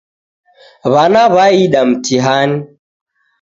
W'ana w'aida mtihani